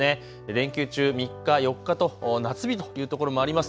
連休中３日、４日と夏日というところもあります。